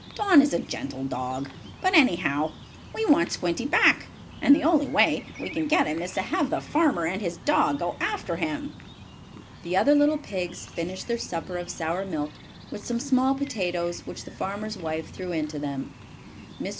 "Don is a gentle dog. But, anyhow, we want Squinty back, and the only way we can get him is to have the farmer and his dog go after him." The other little pigs finished their supper of sour milk, with some small potatoes which the farmer's wife threw in to them. Mr.